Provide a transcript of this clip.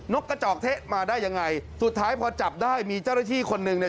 กระจอกเทะมาได้ยังไงสุดท้ายพอจับได้มีเจ้าหน้าที่คนหนึ่งเนี่ย